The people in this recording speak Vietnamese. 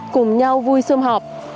cùng nhau vui xôm họp